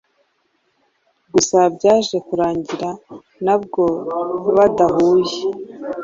gusa byaje kurangira nabwo badahuye